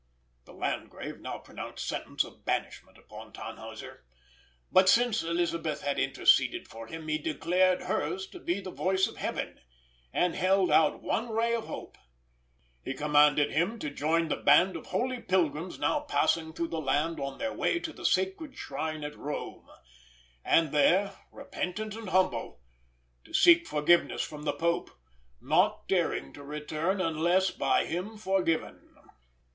The Landgrave now pronounced sentence of banishment upon Tannhäuser, but since Elisabeth had interceded for him, he declared hers to be the voice of Heaven, and held out one ray of hope. He commanded him to join the band of holy pilgrims now passing through the land on their way to the sacred shrine at Rome, and there, repentant and humble, to seek forgiveness from the Pope, not daring to return unless by him forgiven.